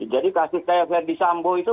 jadi kasih saya ferdie sambo itu